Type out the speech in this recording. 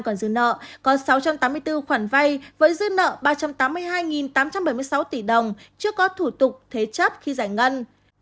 còn sáu trăm tám mươi bốn khoản vai với dư nợ ba trăm tám mươi hai tám trăm bảy mươi sáu tỷ đồng chưa có thủ tục thuế chấp khi giải ngân